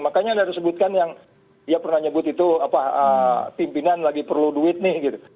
makanya ada disebutkan yang dia pernah nyebut itu pimpinan lagi perlu duit nih gitu